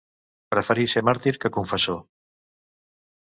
Preferir ser màrtir que confessor.